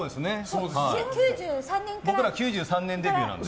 僕ら、９３年デビューなので。